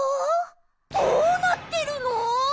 どうなってるの！？